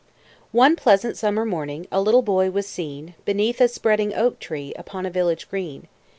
One pleasant summer morning A little boy was seen Beneath a spreading oak tree Upon a village green.